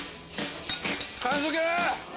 完食！